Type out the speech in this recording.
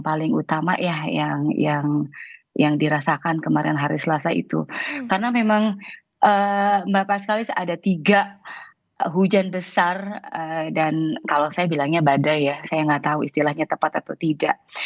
paling utama ya yang dirasakan kemarin hari selasa itu karena memang bapak sekali ada tiga hujan besar dan kalau saya bilangnya badai ya saya nggak tahu istilahnya tepat atau tidak